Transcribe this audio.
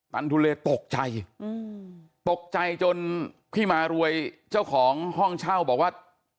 ันทุเลตกใจตกใจจนพี่มารวยเจ้าของห้องเช่าบอกว่า